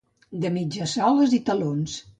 De mitges soles i talons.